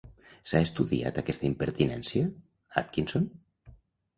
S'ha estudiat aquesta impertinència, Atkinson?